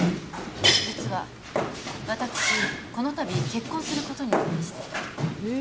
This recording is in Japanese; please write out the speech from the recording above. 実は私この度結婚することになりましてへえ